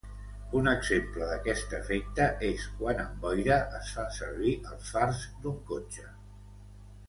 Un exemple d’aquest efecte és quan amb boira, es fan servir els fars d'un cotxe.